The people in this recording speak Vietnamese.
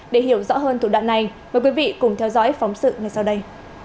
để hiểu rõ hơn thủ đoạn này mời quý vị cùng theo dõi phóng sự ngay sau đây